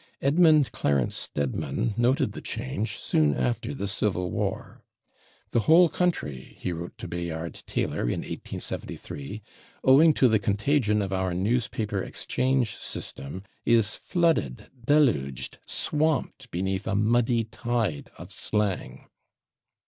Edmund Clarence Stedman noted the change soon after the Civil War. "The whole country," he wrote to Bayard Taylor in 1873, "owing to the contagion of our newspaper 'exchange' system, is flooded, deluged, swamped beneath a muddy tide of slang."